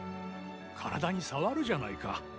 体に障るじゃないか。